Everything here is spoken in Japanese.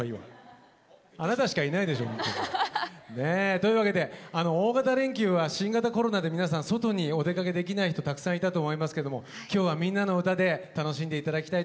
というわけで大型連休は新型コロナで皆さん外にお出かけできない人たくさんいたと思いますけども今日は「みんなのうた」で楽しんで頂きたいと思います。